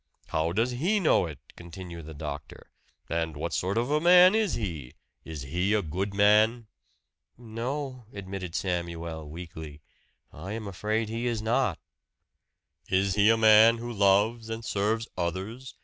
"How does he know it?" continued the doctor. "And what sort of a man is he? Is he a good man?" "No," admitted Samuel weakly. "I am afraid he is not." "Is he a man who loves and serves others?